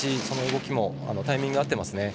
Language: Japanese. その動きもタイミングが合っています。